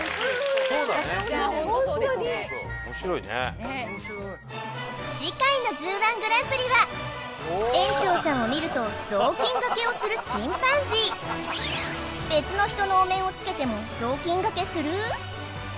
もうホントに次回の「ＺＯＯ−１グランプリ」は園長さんを見ると雑巾がけをするチンパンジー別の人のお面をつけても雑巾がけする？